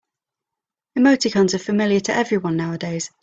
Emoticons are familiar to everyone nowadays.